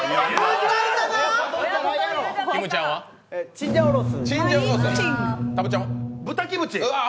チンジャオロースー。